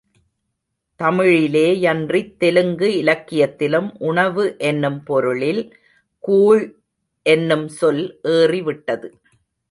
தமிழிலே யன்றித் தெலுங்கு இலக்கியத்திலும் உணவு என்னும் பொருளில் கூழ் என்னும் சொல் ஏறி விட்டது.